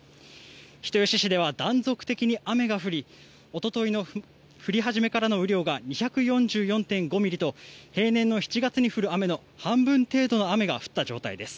人吉市では断続的に雨が降りおとといの降り始めからの雨量が２４４．５ミリと平年の７月に降る雨の半分程度の雨が降った状態です。